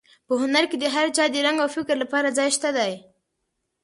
په هنر کې د هر چا د رنګ او فکر لپاره ځای شته دی.